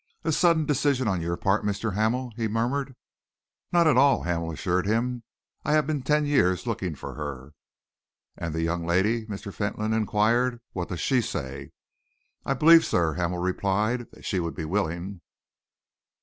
"A sudden decision on your part, Mr. Hamel?" he murmured. "Not at all," Hamel assured him. "I have been ten years looking for her." "And the young lady?" Mr. Fentolin enquired. "What does she say?" "I believe, sir," Hamel replied, "that she would be willing."